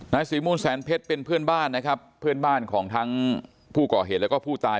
ศรีมูลแสนเพชรเป็นเพื่อนบ้านนะครับเพื่อนบ้านของทั้งผู้ก่อเหตุแล้วก็ผู้ตาย